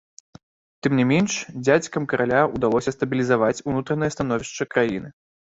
Тым не менш, дзядзькам караля ўдалося стабілізаваць унутранае становішча краіны.